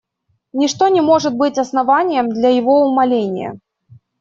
Ничто не может быть основанием для его умаления.